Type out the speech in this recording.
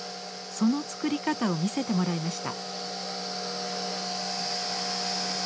その作り方を見せてもらいました。